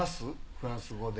フランス語で。